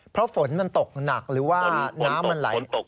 เพราะฝนมันตกหนักหรือว่าน้ำมันไหล